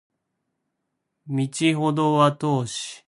道程は遠し